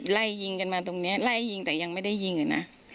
ไล่ยิงกันมาตรงนี้ไล่ยิงแต่ยังไม่ได้ยิงอะนะ